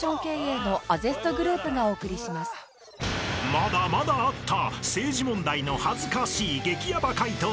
［まだまだあった］